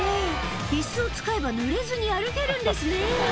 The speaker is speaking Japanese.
椅子を使えばぬれずに歩けるんですね